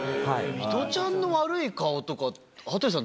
ミトちゃんの悪い顔とか羽鳥さん